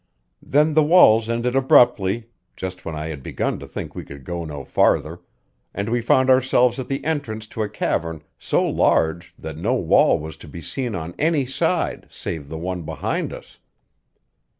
Then the walls ended abruptly, just when I had begun to think we could go no farther, and we found ourselves at the entrance to a cavern so large that no wall was to be seen on any side save the one behind us.